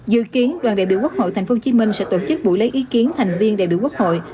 dự kiến đoàn đại biểu quốc hội tp hcm sẽ tổ chức buổi lấy ý kiến thành viên đại biểu quốc hội